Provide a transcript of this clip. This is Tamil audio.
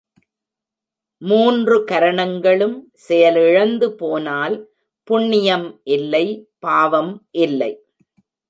மூன்று கரணங்களும், செயலிழந்து போனால் புண்ணியம் இல்லை பாவம் இல்லை.